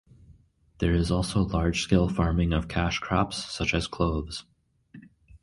There is also large scale farming of cash crops such as cloves.